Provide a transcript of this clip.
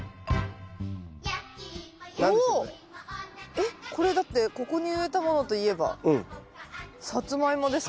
えっこれだってここに植えたものといえばサツマイモですか？